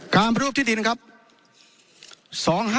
การประดูกที่ดินครับ๒๕๑๘นะครับ